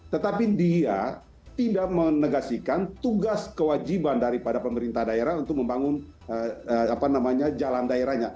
tetapi dia tidak menegasikan tugas kewajiban daripada pemerintah daerah untuk membangun jalan daerahnya